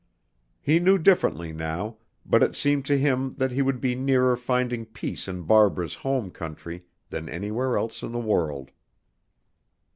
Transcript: He knew differently now, but it seemed to him that he would be nearer finding peace in Barbara's home country than anywhere else in the world.